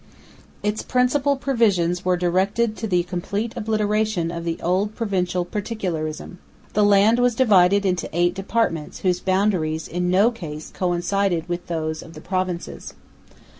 Its principal provisions were directed to the complete obliteration of the old provincial particularism. The land was divided into eight departments, whose boundaries in no case coincided with those of the provinces.